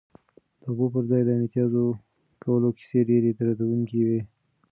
د اوبو پر ځای د متیازو کولو کیسه ډېره دردونکې وه.